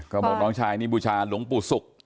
ก็บอกน้องชายนี่บุชาหลงปู่สุข